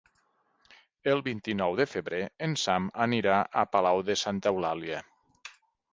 El vint-i-nou de febrer en Sam anirà a Palau de Santa Eulàlia.